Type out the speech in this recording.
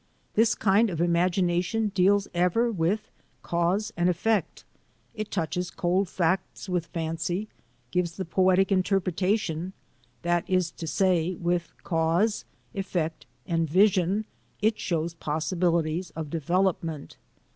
This kind of imagination deals ever with cause and ef fect; it touches cold facts with fancy; gives the poetic interpretation — that is to say, with cause, effect, and vision, it shows possibilities of develop ment.